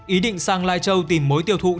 ý định sang lai châu tìm mối tiêu thụ để kiếm